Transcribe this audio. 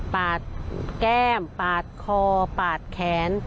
ปาดแก้มปาดคอปาดแขน